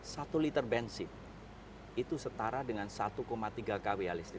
satu liter bensin itu setara dengan satu tiga kwh listrik